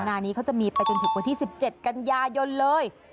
งานนี้เขาจะมีไปจนถึงวันที่๑๗กันยายนเลย